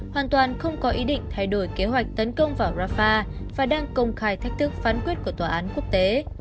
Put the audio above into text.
hoàn toàn không có ý định thay đổi kế hoạch tấn công vào rafah và đang công khai thách thức phán quyết của tòa án quốc tế